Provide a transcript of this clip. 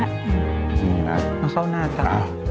อันนี้นะโอเคนะครับ